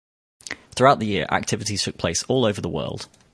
Throughout the year, activities took place all over the world.